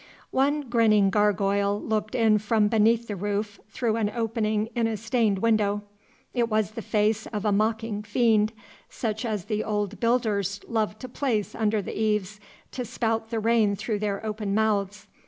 One grinning gargoyle looked in from beneath the roof through an opening in a stained window. It was the face of a mocking fiend, such as the old builders loved to place under the eaves to spout the rain through their open mouths.